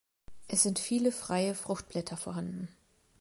Es sind viele freie Fruchtblätter vorhanden.